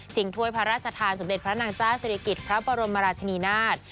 ถ้วยพระราชทานสมเด็จพระนางเจ้าศิริกิจพระบรมราชนีนาฏ